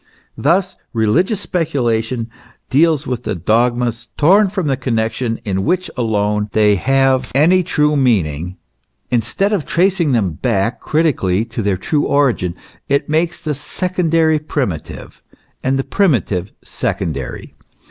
f Thus, religious specula tion deals with the dogmas, torn from the connexion in which alone they have any true meaning ; instead of tracing them back critically to their true origin, it makes the secondary primitive, and the primitive secondary.